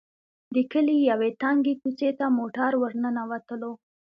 د کلي يوې تنګې کوڅې ته موټر ور ننوتلو.